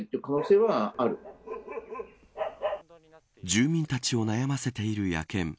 住民たちを悩ませている野犬。